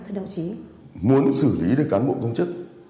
thậm chí muốn xử lý được cán bộ công chức